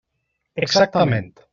Exactament!